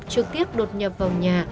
trực tiếp đột nhập vào nhà